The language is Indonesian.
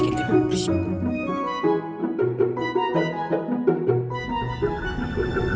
ya masih campo